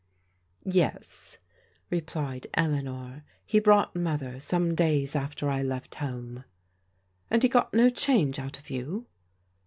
'*" Yes," replied Eleanor. " He brought Mother some days after I left home." " And he got no change out of you